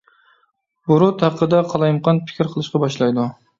بۇرۇت ھەققىدە قالايمىقان پىكىر قىلىشقا باشلايدۇ.